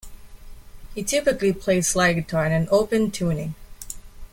He typically played slide guitar, in an open tuning.